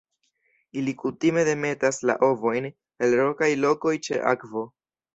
Ili kutime demetas la ovojn en rokaj lokoj ĉe akvo.